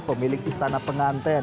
pemilik istana pengantin